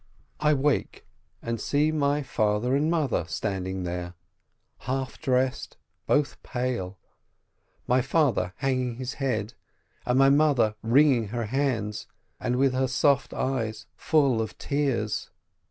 I wake — and see my father and mother stand ing there, half dressed, both pale, my father hanging his head, and my mother wringing her hands, and with her soft eyes full of tears.